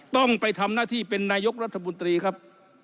ต้องไปทำหน้าที่เป็นนายกรัฐมนตรีครับ